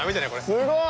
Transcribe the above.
すごい！